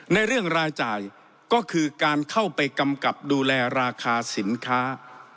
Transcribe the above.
ในเรื่องรายจ่ายก็คือการเข้าไปกำกับดูแลราคาสินค้า